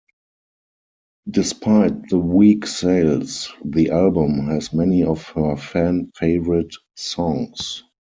Despite the weak sales, the album has many of her fan-favourite songs.